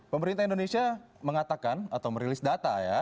pemerintah indonesia mengatakan atau merilis data ya